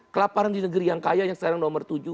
kelaparan di negeri yang kaya yang sekarang nomor tujuh